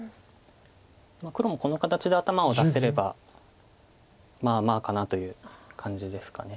黒もこの形で頭を出せればまあまあかなという感じですか。